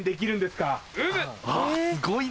すごい！